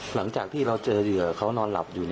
หลังจากที่เราเจอเหยื่อเขานอนหลับอยู่